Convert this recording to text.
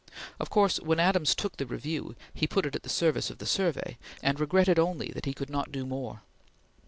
Of course when Adams took the Review he put it at the service of the Survey, and regretted only that he could not do more.